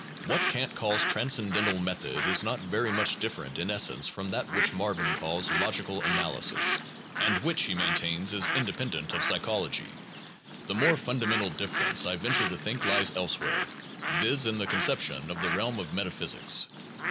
What Kant calls trans cendental method is not very much different in essence from that which Marvin calls logical analysis and which, he maintains, is inde pendent of psychology. The more fundamental difference, I venture to think, lies elsewhere, viz., in the conception of the realm of meta physics.